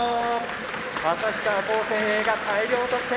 旭川高専Ａが大量得点。